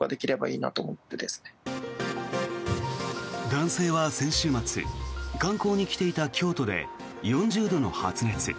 男性は先週末観光に来ていた京都で４０度の発熱。